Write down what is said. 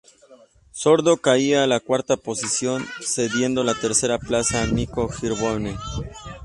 Sordo caía a la cuarta posición, cediendo la tercera plaza a Mikko Hirvonen.